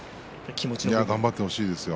頑張ってほしいですよ。